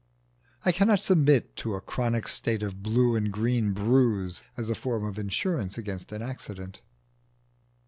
I cannot submit to a chronic state of blue and green bruise as a form of insurance against an accident.